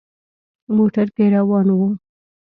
موټر کې روان وو.